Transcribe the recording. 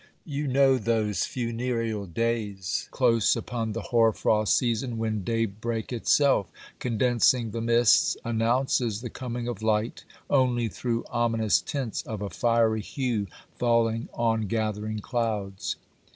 You know those funereal days, close upon the hoar frost season, when daybreak itself, condensing the mists, announces the coming of light only through ominous tints of a fiery hue falling on gathering clouds.